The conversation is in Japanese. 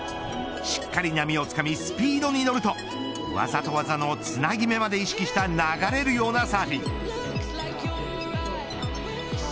しっかり波をつかみスピードに乗ると技と技のつなぎ目まで意識した流れるようなサーフィン。